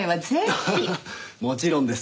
ハハハもちろんです。